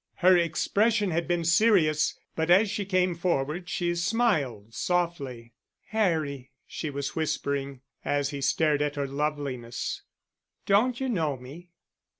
Her expression had been serious, but as she came forward she smiled softly. "Harry," she was whispering, as he stared at her loveliness, "don't you know me?"